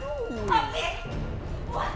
ibu itu buat perobahan